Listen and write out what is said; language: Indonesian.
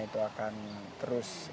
itu akan terus